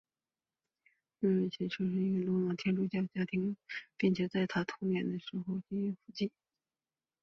瑞奇马汀出生在一个罗马天主教的家庭并且在他的童年是位辅祭。